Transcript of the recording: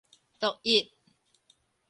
獨乙